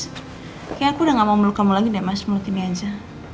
kayaknya aku udah gak mau meluk kamu lagi deh mas meluk ini aja